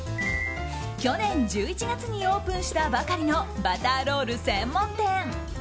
去年１１月にオープンしたばかりのバターロール専門店。